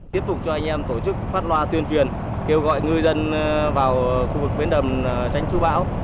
tiếp tục cho anh em tổ chức phát loa tuyên truyền kêu gọi ngư dân vào khu vực bến đầm tránh chú bão